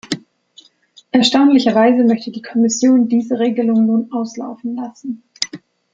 Erstaunlicherweise möchte die Kommission diese Regelung nun auslaufen lassen.